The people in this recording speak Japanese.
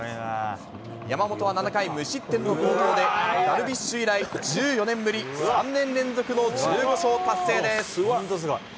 山本は７回、無失点の好投で、ダルビッシュ以来、１４年ぶり、３年連続の１５勝達成です。